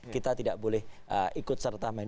kita tidak boleh ikut serta main